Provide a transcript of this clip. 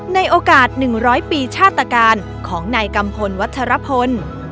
ในโอกาส๑๐๐ปีชาตการของนายกัมพลวัชรพล